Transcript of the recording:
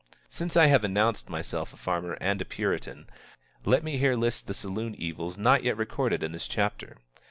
Since I have announced myself a farmer and a puritan, let me here list the saloon evils not yet recorded in this chapter.